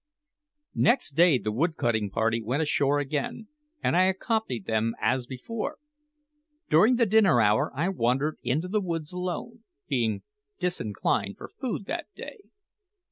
Next day the wood cutting party went ashore again, and I accompanied them as before. During the dinner hour I wandered into the woods alone, being disinclined for food that day.